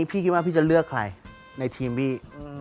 พี่คิดว่าพี่จะเลือกใครในทีมพี่